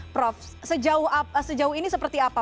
prof sejauh ini seperti apa